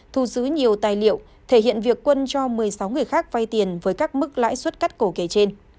thu giữ nhiều tài liệu thể hiện việc quân cho một mươi sáu người khác vay tiền với các mức lãi suất cắt cổ kể trên